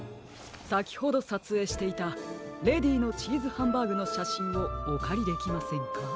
さきほどさつえいしていたレディーのチーズハンバーグのしゃしんをおかりできませんか？